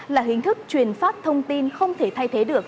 là hình thức truyền phát thông tin không thể thay thế được